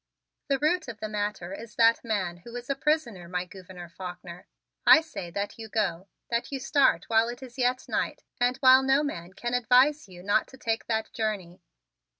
"The root of the matter is that man who is a prisoner, my Gouverneur Faulkner. I say that you go; that you start while yet it is night and while no man can advise you not to take that journey.